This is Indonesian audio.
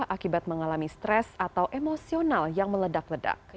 akibat mengalami stres atau emosional yang meledak ledak